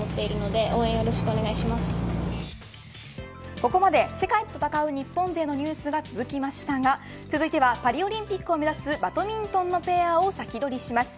ここまで、世界と戦う日本勢のニュースが続きましたが続いてはパリオリンピックを目指すバドミントンのペアを先取りします。